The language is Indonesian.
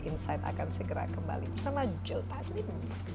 insight akan segera kembali bersama joe taslim